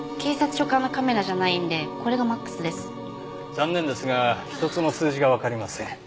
残念ですが１つも数字がわかりません。